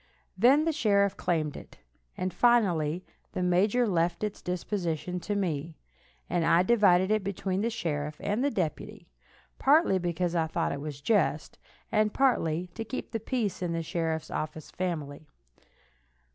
Then the sheriff claimed it, and finally the major left its disposition to me, and I divided it between the sheriff and the deputy, partly because I thought it just, and partly to keep the peace in the sheriff's official family.